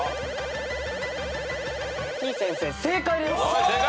てぃ先生正解です！